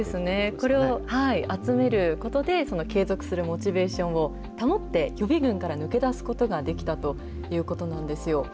これを集めることで、継続するモチベーションを保って、予備群から抜け出すことができたということなんですよ。